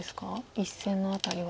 １線の辺りは。